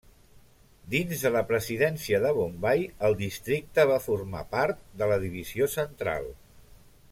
Dins de la presidència de Bombai el districte va formar part de la divisió Central.